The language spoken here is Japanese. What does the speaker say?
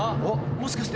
もしかして。